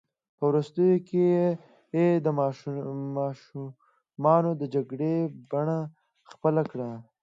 په وروستیو کې یې د ماشومانو د جګړې بڼه خپله کړه.